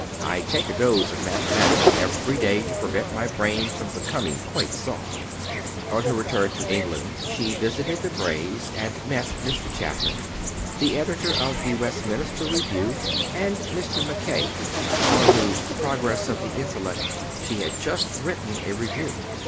I take a dose of mathematics every day to prevent my brain from becoming quite soft." On her return to England, she visited the Brays, and met Mr. Chapman, the editor of the Westminster Review, and Mr. Mackay, upon whose Progress of the Intellect she had just written a review.